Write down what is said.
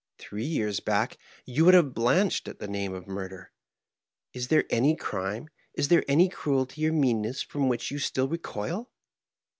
Three years back you would have blenched at the name of murder. Is there any crime, is there any cruelty or meanness, from which you still recoil?